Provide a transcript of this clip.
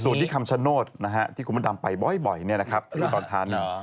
สูตรที่คัมชโนธที่คุณพระดำไปบ่อยตอนทานนั้น